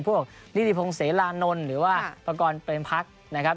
พวกนิติพงศ์เสรานนท์หรือว่าประกอบเรมพักนะครับ